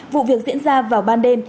vụ việc diễn ra vào ban đêm